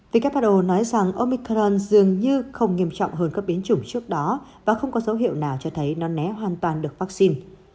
who nói rằng omicron dường như không nghiêm trọng hơn các biến chủng trước đó và không có dấu hiệu nào cho thấy nó né hoàn toàn được vaccine